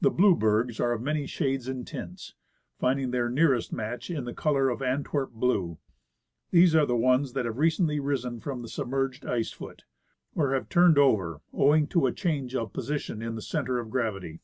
The blue bergs are of many shades and tints, finding their nearest match in color in AntAverp blue. These are the ones that have recently risen from the submerged ice foot, or have turned over owing to a change of position in the center of gravity.